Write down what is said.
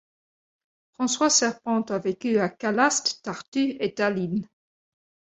François Serpent a vécu à Kallaste, Tartu et Tallinn.